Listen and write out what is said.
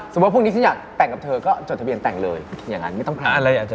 สมมุติว่าพวกนี้ฉันอยากแต่งกับเธอก็จดทะเบียนแต่งเลยอย่างนั้นไม่ต้องพลาด